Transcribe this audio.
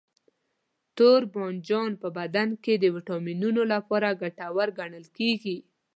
توربانجان په بدن کې د ویټامینونو لپاره ګټور ګڼل کېږي.